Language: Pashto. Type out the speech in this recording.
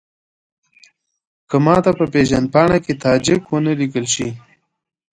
که ماته په پېژندپاڼه کې تاجک ونه لیکل شي.